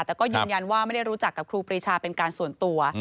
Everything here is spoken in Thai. แต่ก็ยืนยันว่าไม่ได้รู้จักกับครูปรีชาเป็นการส่วนตัว